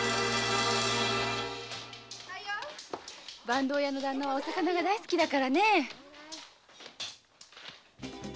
板東屋の旦那はお魚が大好きなんだ。